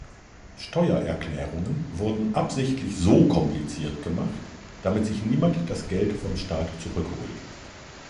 Steuererklärungen wurden absichtlich so kompliziert gemacht, damit sich niemand das Geld vom Staat zurückholt.